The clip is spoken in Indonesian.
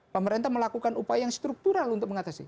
pemerintah melakukan upaya yang struktural untuk mengatasi